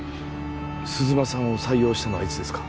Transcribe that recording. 鈴間さんを採用したのはいつですか？